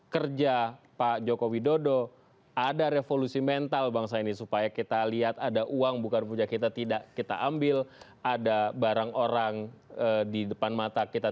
seharusnya lebih sedikit atau lebih banyak